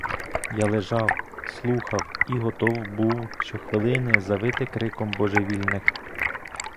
Я лежав, слухав і готов був щохвилини завити криком божевільних.